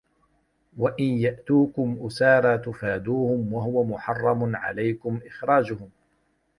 وَإِنْ يَأْتُوكُمْ أُسَارَىٰ تُفَادُوهُمْ وَهُوَ مُحَرَّمٌ عَلَيْكُمْ إِخْرَاجُهُمْ ۚ